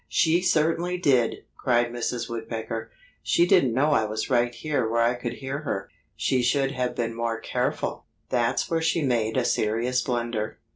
"She certainly did!" cried Mrs. Woodpecker. "She didn't know I was right here where I could hear her. She should have been more careful. That's where she made a serious blunder."